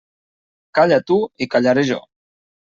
Calla tu i callaré jo.